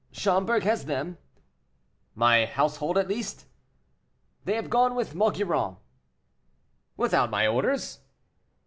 "Schomberg has them." "My household at least." "They have gone with Maugiron." "Without my orders?"